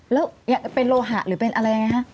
แล้วเป็นโลหะหรือเป็นอะไรยังไงฮะ